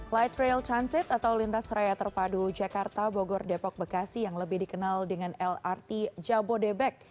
light rail transit atau lintas raya terpadu jakarta bogor depok bekasi yang lebih dikenal dengan lrt jabodebek